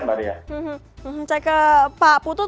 saya ke pak putut